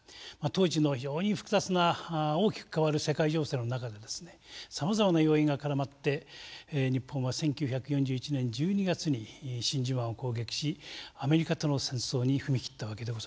当時の非常に複雑な大きく変わる世界情勢の中でさまざまな要因が絡まって日本は１９４１年１２月に真珠湾を攻撃しアメリカとの戦争に踏み切った訳でございます。